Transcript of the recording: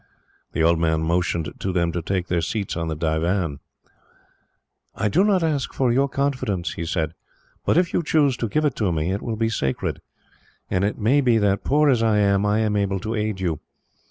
The old man motioned to them to take their seats on the divan. "I do not ask for your confidence," he said, "but if you choose to give it to me, it will be sacred, and it may be that, poor as I am, I am able to aid you.